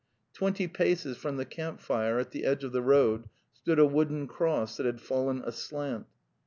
Twenty paces from the camp fire at the edge of the road stood a wooden cross that had fallen aslant.